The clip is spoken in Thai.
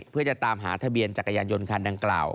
เพื่อจะตามหาทะเบียนจักรยานยนต์คันดังกล่าว